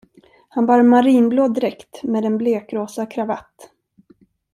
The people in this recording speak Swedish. Han bar en marinblå dräkt med en blekrosa kravatt.